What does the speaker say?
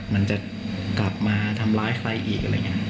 มันจะกลับมาทำร้ายใครอีก